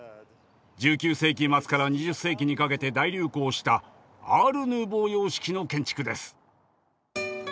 １９世紀末から２０世紀にかけて大流行した「アール・ヌーボー様式」の建築です。